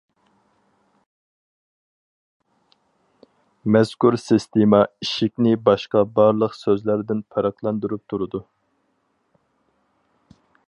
مەزكۇر سىستېما ئىشىكنى باشقا بارلىق سۆزلەردىن پەرقلەندۈرۈپ تۇرىدۇ.